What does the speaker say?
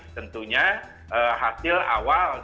tentunya hasil awal